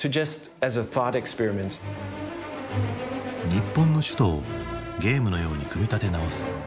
日本の首都をゲームのように組み立て直す。